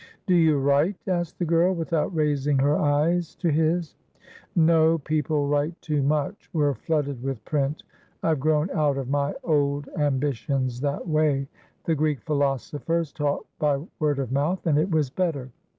"Do you write?" asked the girl, without raising her eyes to his. "No. People write too much; we're flooded with print. I've grown out of my old ambitions that way. The Greek philosophers taught by word of mouth, and it was better.